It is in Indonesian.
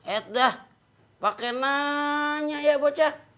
et dah pakai nanya ya bocah